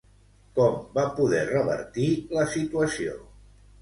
Com va poder revertir la situació?